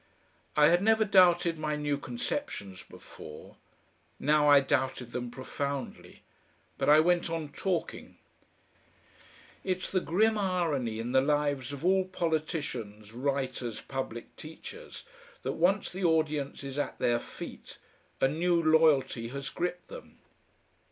I had never doubted my new conceptions before; now I doubted them profoundly. But I went on talking. It's the grim irony in the lives of all politicians, writers, public teachers, that once the audience is at their feet, a new loyalty has gripped them.